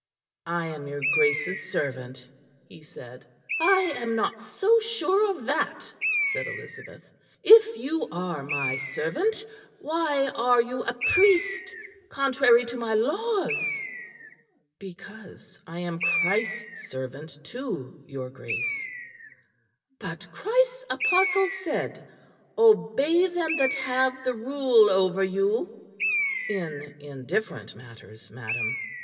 "I am your Grace's servant," he said. "I am not so sure of that," said Elizabeth. "If you are my servant, why are you a priest, contrary to my laws?" "Because I am Christ's servant too, your Grace." "But Christ's apostle said, 'Obey them that have the rule over you.'" "In indifferent matters, madam."